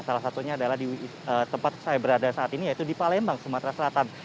salah satunya adalah di tempat saya berada saat ini yaitu di palembang sumatera selatan